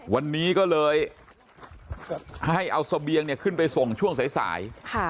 วันนี้ก็เลยให้เอาเสบียงขึ้นไปส่งช่วงสาย